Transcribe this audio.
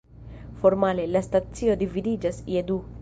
Formale, la stacio dividiĝas je du.